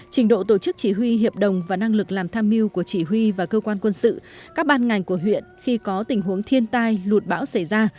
trình độ tổ chức chỉ huy hiệp đồng và năng lực làm tham mưu của chỉ huy và cơ quan quân sự các ban ngành của huyện khi có tình huống thiên tai lụt bão xảy ra